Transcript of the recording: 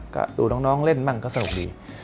ก็ดูน้องเล่นบ้างก็สนุกดี